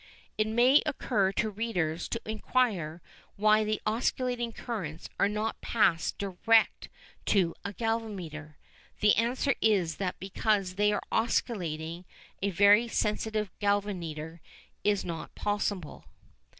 It may occur to readers to inquire why the oscillating currents are not passed direct to a galvanometer. The answer is that because they are oscillating a very sensitive galvanometer is not possible.